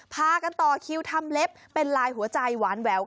พากันต่อคิวทำเล็บเป็นลายหัวใจหวานแหวว